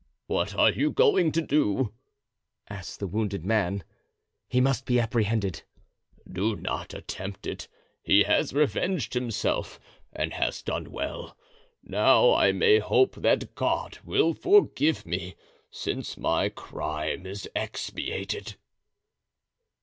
"What are you going to do?" asked the wounded man. "He must be apprehended." "Do not attempt it; he has revenged himself and has done well. Now I may hope that God will forgive me, since my crime is expiated."